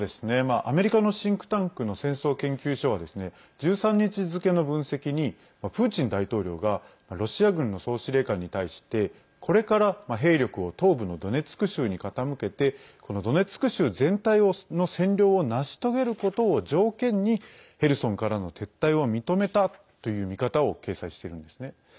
アメリカのシンクタンクの戦争研究所は、１３日付の分析にプーチン大統領がロシア軍の総司令官に対してこれから兵力を東部のドネツク州に傾けてドネツク州全体の占領を成し遂げることを条件にヘルソンからの撤退を認めたという見方を掲載しているんですね。